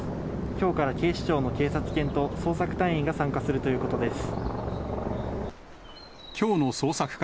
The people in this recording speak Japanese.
きょうから警視庁の警察犬と捜索隊員が参加するということです。